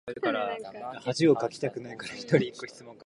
The Market House was also torched.